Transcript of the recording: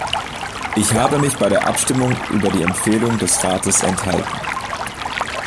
Ich habe mich bei der Abstimmung über die Empfehlung des Rates enthalten.